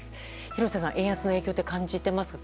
廣瀬さんは円安の影響感じてますか？